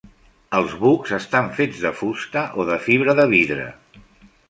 Els bucs estan fets de fusta o de fibra de vidre.